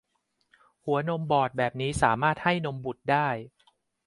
หัวนมบอดแบบนี้สามารถให้นมบุตรได้